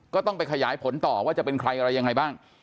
ก็ต้องไปขยายผลต่อว่าจะเป็นใครอะไรยังไงบ้าง